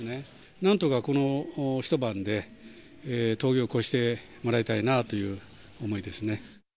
なんとかこの一晩で峠を越してもらいたいなという思いですね。